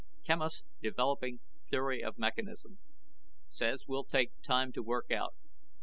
QUEMOS DEVELOPING THEORY OF MECHANISM. SAYS WILL TAKE TIME TO WORK OUT.